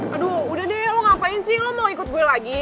aduh udah deh lo ngapain sih lo mau ikut gue lagi